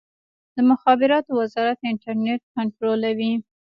د مخابراتو وزارت انټرنیټ کنټرولوي؟